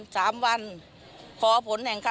สาโชค